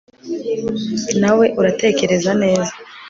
nawe uratekereza neza